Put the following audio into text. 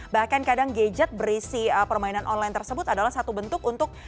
bahkan kadang gadget berisi permainan online tersebut adalah satu bentuk untuk